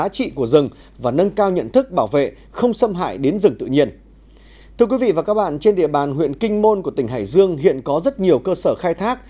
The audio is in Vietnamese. thưa quý vị và các bạn trên địa bàn huyện kinh môn của tỉnh hải dương hiện có rất nhiều cơ sở khai thác